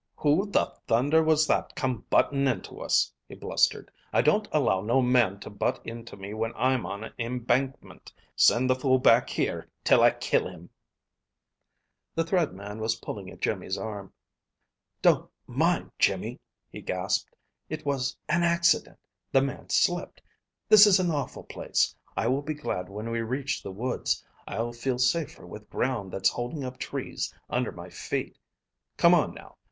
"Who the thunder was that come buttin' into us?" he blustered. "I don't allow no man to butt into me when I'm on an imbankmint. Send the fool back here till I kill him." The Thread Man was pulling at Jimmy's arm. "Don't mind, Jimmy," he gasped. "It was an accident! The man slipped. This is an awful place. I will be glad when we reach the woods. I'll feel safer with ground that's holding up trees under my feet. Come on, now!